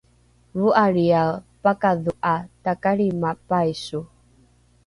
vo’alriae pakadho’a takalrima paiso